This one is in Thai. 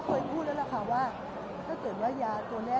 พี่คิดว่าเข้างานทุกครั้งอยู่หรือเปล่า